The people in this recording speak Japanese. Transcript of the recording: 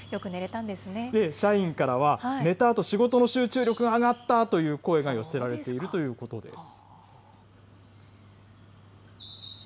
社員からは、寝たあと、仕事の集中力が上がったという声が寄せられているということです。